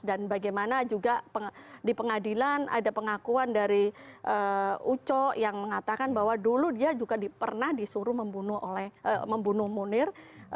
dan bagaimana juga di pengadilan ada pengakuan dari uco yang mengatakan bahwa dulu dia juga pernah disuruh membunuh munir